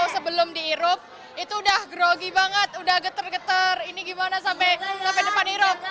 sebelum dihirup itu udah grogi banget udah getar getar ini gimana sampai depan irup